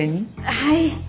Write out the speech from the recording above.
はい。